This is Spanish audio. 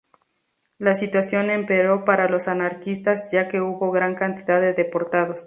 La situación empeoró para los anarquistas ya que hubo gran cantidad de deportados.